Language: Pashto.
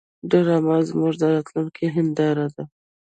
ډرامه زموږ د راتلونکي هنداره ده